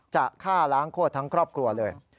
จะฆ่าล้างโคตรทั้งครอบครัวเลย